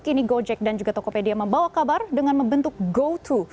kini gojek dan juga tokopedia membawa kabar dengan membentuk goto